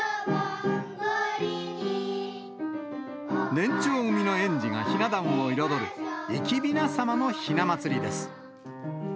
年長組の園児がひな壇を彩る、生きびなさまのひな祭りです。